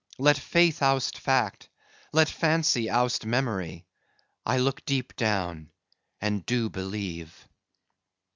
Let faith oust fact; let fancy oust memory; I look deep down and do believe."